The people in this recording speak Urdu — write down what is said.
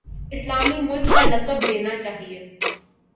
اسلامی ملک کا لقب دینا چاہیے۔